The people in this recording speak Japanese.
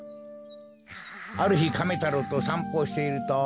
あるひカメ太郎とさんぽをしていると。